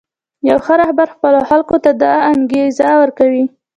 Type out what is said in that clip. یو ښه رهبر خپلو خلکو ته دا انګېزه ورکوي.